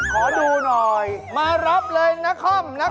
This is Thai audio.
ขอดูหน่อยมารับเลยนคร